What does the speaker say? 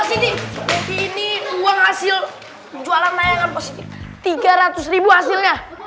ini uang hasil jualan tiga ratus hasilnya